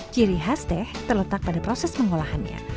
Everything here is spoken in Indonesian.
ciri khas teh terletak pada proses pengolahannya